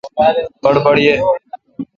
بڑبڑ یہ